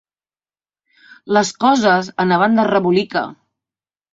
Les coses anaven de rebolica.